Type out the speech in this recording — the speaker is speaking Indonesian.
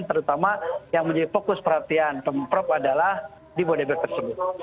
terutama yang menjadi fokus perhatian pemprov adalah di bodebek tersebut